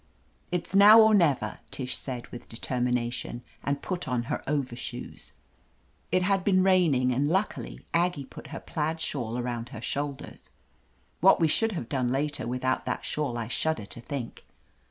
"It's now or never," Tish said, with deter mination, and put on her overshoes. It had been raining, and luckily Aggie put her plaid shawl around her shoulders. What we should have done later without that shawl I shudder to think.